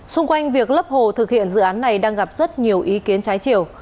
xung quanh việc lấp hồ thực hiện dự án này đang gặp rất nhiều ý kiến trái chiều